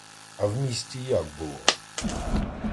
А в місті як було?